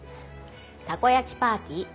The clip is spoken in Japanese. たこ焼きパーティー。